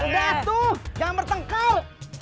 udah tuh jangan bertengkal